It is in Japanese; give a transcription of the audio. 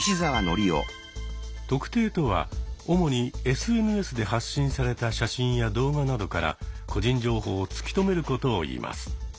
「特定」とは主にＳＮＳで発信された写真や動画などから個人情報を突き止めることをいいます。